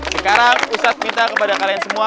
sekarang ustadz minta kepada kalian semua